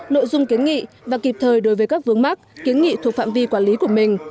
nội dung kiến nghị và kịp thời đối với các vướng mắc kiến nghị thuộc phạm vi quản lý của mình